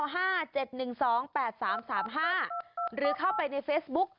หรือเข้าไปในเฟซบุ๊ก